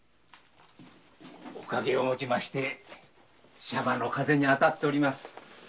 お陰をもちましてシャバの風に当たっております。